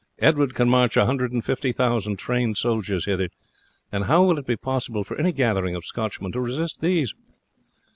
Edward can march a hundred and fifty thousand trained soldiers hither, and how will it be possible for any gathering of Scotchmen to resist these?